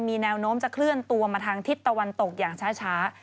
มีแนวโน้มจะเคลื่อนตัวมาทางทิศตะวันตกอย่างช้า